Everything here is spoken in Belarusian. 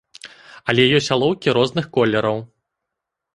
Але ёсць алоўкі розных колераў.